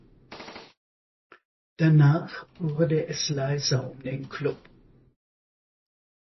Danach wurde es leiser um den Klub.